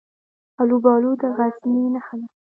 الوبالو د غزني نښه ده.